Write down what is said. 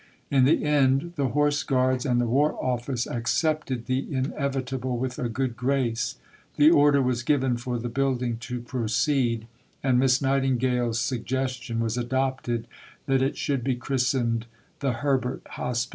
" In the end, the Horse Guards and the War Office accepted the inevitable with a good grace; the order was given for the building to proceed, and Miss Nightingale's suggestion was adopted that it should be christened "The Herbert Hospital."